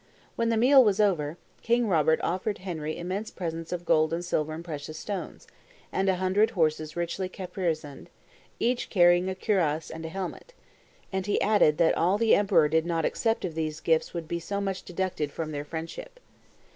When the meal was over, King Robert offered Henry immense presents of gold and silver and precious stones, and a hundred horses richly caparisoned, each carrying a cuirass and a helmet; and he added that all that the emperor did not accept of these gifts would be so much deducted from their friendship.